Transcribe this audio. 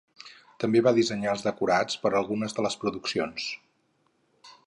També va dissenyar els decorats per algunes de les produccions.